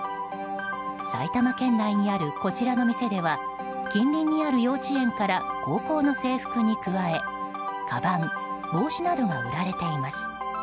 埼玉県内にある、こちらの店では近隣にある幼稚園から高校の制服に加えかばん、帽子などが売られています。